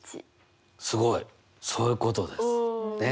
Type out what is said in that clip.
すごい！そういうことですね。